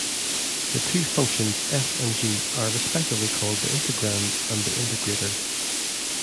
The two functions "f" and "g" are respectively called the integrand and the integrator.